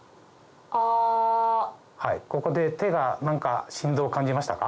ここで手が何か振動を感じましたか？